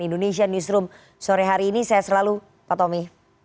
indonesia newsroom sore hari ini saya selalu pak tommy